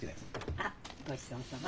あっごちそうさま。